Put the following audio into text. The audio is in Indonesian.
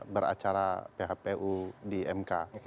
beracara phpu di mk